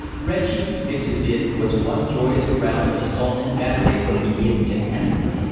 "Reggie Mixes In" was one joyous round of assault and battery from beginning to end.